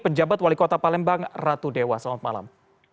penjabat wali kota palembang ratu dewa selamat malam